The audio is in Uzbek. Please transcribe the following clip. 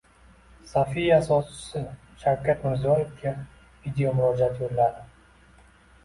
Safia asoschisi Shavkat Mirziyoyevga videomurojaat yo‘lladi